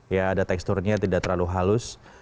ya ada teksturnya tidak terlalu halus